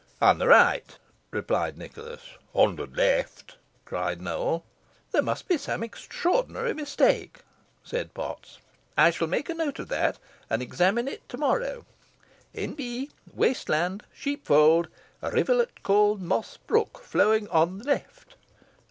"On the right," replied Nicholas. "On the left," cried Nowell. "There must be some extraordinary mistake," said Potts. "I shall make a note of that, and examine it to morrow. N.B. Waste land sheepfold rivulet called Moss Brook, flowing on the left."